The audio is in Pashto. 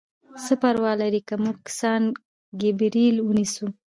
څه پروا لري که موږ سان ګبریل ونیسو؟